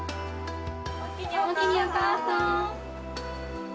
おおきに、お母さん。